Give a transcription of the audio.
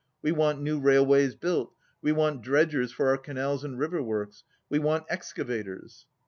We want new rail ways built. We want dredgers for our canals and river works. We want excavators."